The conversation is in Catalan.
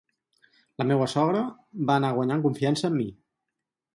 La meua sogra va anar guanyant confiança en mi.